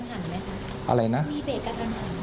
มีเบรกกระทันหันไหมครับมีเบรกกระทันหันไหม